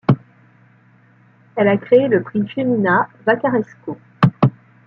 Elle a créé le prix Femina Vacaresco.